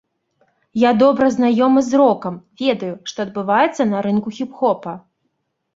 Я добра знаёмы з рокам, ведаю, што адбываецца на рынку хіп-хопа.